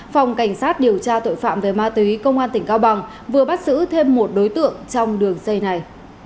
phòng cảnh sát điều tra tội phạm về ma túy công an tỉnh cao bằng vừa bắt giữ thêm một đối tượng trong đường dây này